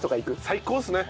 最高ですね！